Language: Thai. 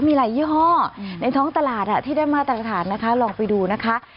มีหลายยี่ห้อในท้องตลาดที่ได้มาตรฐานนะคะลองไปดูนะคะ